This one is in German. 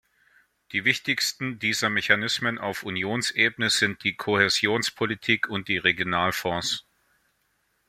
Die wichtigsten dieser Mechanismen auf Unionsebene sind die Kohäsionspolitik und die Regionalfonds.